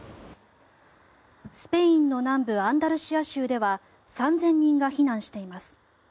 スペインの南部アンダルシア州では３０００人が避難しています。